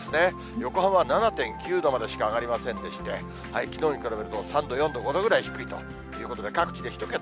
横浜７．９度までしか上がりませんでして、きのうに比べると３度、４度、５度ぐらい低いということで、各地で１桁。